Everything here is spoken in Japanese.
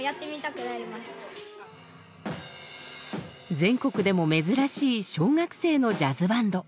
全国でも珍しい小学生のジャズバンド。